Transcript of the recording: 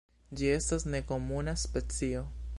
Ĝi estas nekomuna specio.